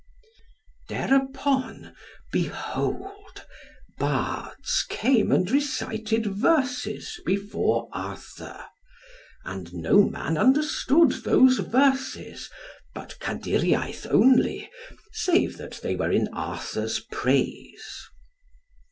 Thereupon, behold, bards came and recited verses before Arthur, and no man understood those verses, but Kadyriaith only, save that they were in Arthur's praise.